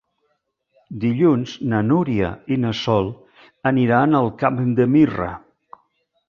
Dilluns na Núria i na Sol aniran al Camp de Mirra.